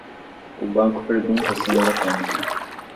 O banco pergunta a senha da conta.